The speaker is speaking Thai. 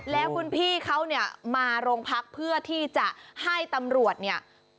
แล้วคุณพี่เขาเนี่ยมาโรงพักเพื่อที่จะให้ตำรวจเนี่ย